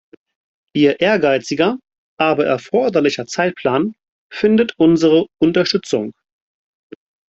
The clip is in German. Ihr ehrgeiziger, aber erforderlicher Zeitplan findet unsere Unterstützung.